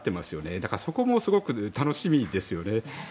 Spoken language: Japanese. だからそこもすごく楽しみですよね。